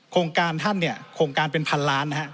โครงการท่านเนี่ยโครงการเป็นพันล้านนะครับ